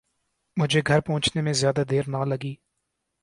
مجھے گھر پہنچنے میں زیادہ دیر نہ لگی